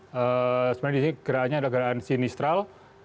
sebenarnya di sini ada gerakan sinistral